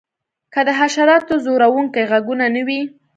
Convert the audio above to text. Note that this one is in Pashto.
که د حشراتو ځورونکي غږونه نه وی